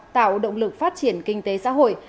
tạo động lực phát triển kinh tế xã hội